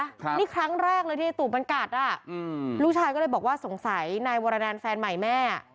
ครับนี่ครั้งแรกเลยที่ตูบมันกัดอ่ะอืมลูกชายก็เลยบอกว่าสงสัยนายวรดานแฟนใหม่แม่อ่ะ